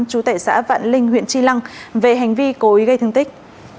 chú tệ xã vạn linh huyện tri lăng về hành vi cố ý gây thương tích